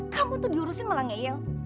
kamu tuh diurusin malah ngeyel